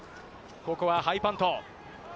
ここはハイパント。